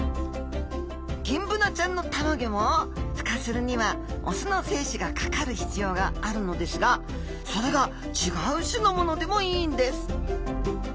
ギンブナちゃんのたまギョもふ化するには雄の精子がかかる必要があるのですがそれが違う種のものでもいいんです！